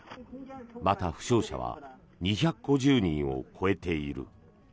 また、負傷者は２５０人を超えている。